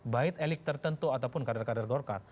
baik elit tertentu ataupun kader kader golkar